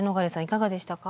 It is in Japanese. いかがでしたか？